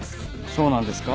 そうなんですか？